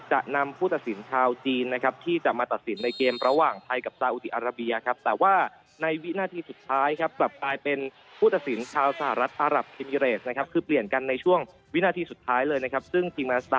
จะนำภูตศิลป์ชาวจีนที่จะมาตัดสินในเกม